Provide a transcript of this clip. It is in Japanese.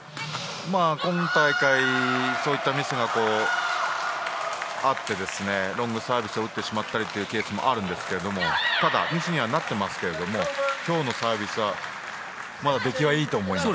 今大会そういったミスがあってロングサービスを打ってしまったりというケースもあるんですがただ、ミスにはなってますけども今日のサービスは出来はいいと思います。